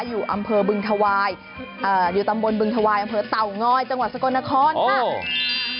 อยู่อำเภอบึงถวายอยู่ตำบลบึงถวายอำเภอเต่างอยจังหวัดสกลนครค่ะ